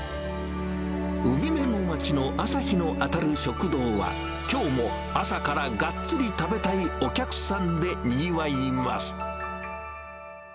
海辺の街の朝日の当たる食堂は、きょうも朝からがっつり食べたいお客さんでにぎわいます。